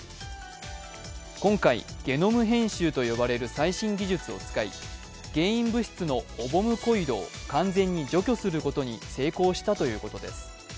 今回、ゲノム編集と呼ばれる最新技術を使い原因物質のオボムコイドを完全に除去することに成功したということです。